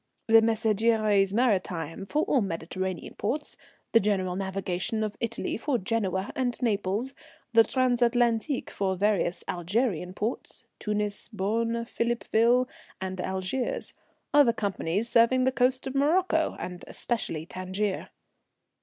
The Messagéries Maritime, for all Mediterranean ports, the General Navigation of Italy for Genoa and Naples, the Transatlantique for various Algerian ports, Tunis, Bône, Philippeville, and Algiers, other companies serving the coast of Morocco and especially Tangier."